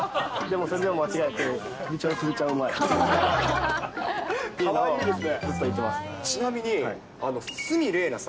それでも間違えて、かわいいですね。